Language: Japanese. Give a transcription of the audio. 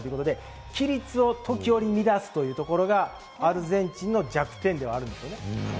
規律を乱すというところが、アルゼンチンの弱点ではあるんです。